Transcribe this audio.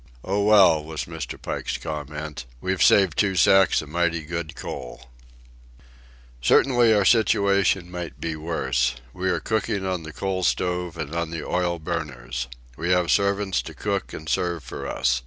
"Oh, well," was Mr. Pike's comment, "we've saved two sacks of mighty good coal." Certainly our situation might be worse. We are cooking on the coal stove and on the oil burners. We have servants to cook and serve for us.